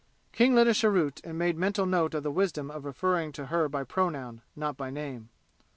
King lit a cheroot and made mental note of the wisdom of referring to her by pronoun, not by name.